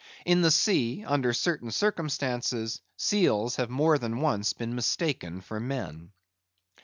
In the sea, under certain circumstances, seals have more than once been mistaken for men.